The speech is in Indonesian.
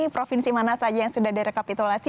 provinsi mana saja yang sudah direkapitulasi